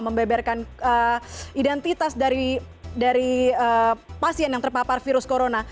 membeberkan identitas dari pasien yang terpapar virus corona